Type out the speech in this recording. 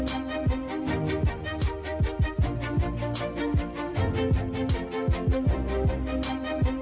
ค่ะพอเมื่อกี้แน่เลย